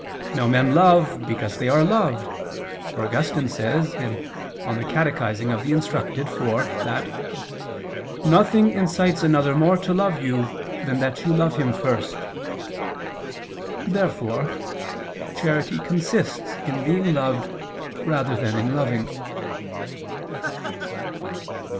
Now men love because they are loved, for Augustine says (De Catech. Rud. iv) that "nothing incites another more to love you than that you love him first." Therefore charity consists in being loved rather than in loving.